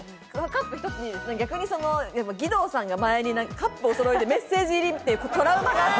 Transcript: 義堂さんが前にカップをそろえてメッセージ入りっていうトラウマがあって。